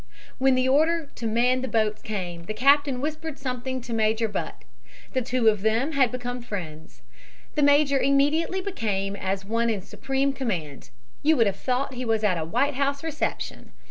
"When the order to man the boats came, the captain whispered something to Major Butt. The two of them had become friends. The major immediately became as one in supreme command. You would have thought he was at a White House reception.